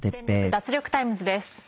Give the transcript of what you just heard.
脱力タイムズ』です。